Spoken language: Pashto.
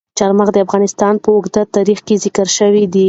چار مغز د افغانستان په اوږده تاریخ کې ذکر شوی دی.